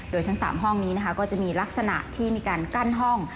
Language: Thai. โดยทั้ง๓ห้องนี้นะคะก็จะมีลักษณะที่มีการกั้นห้อง